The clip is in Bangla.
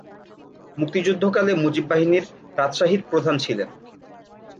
মুক্তিযুদ্ধকালে মুজিব বাহিনীর রাজশাহীর প্রধান ছিলেন।